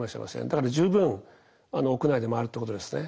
だから十分屋内で回るってことですね。